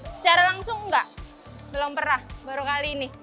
secara langsung enggak belum pernah baru kali ini